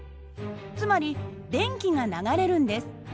つまり電気が流れるんです。